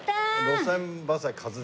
「路線バ寿」。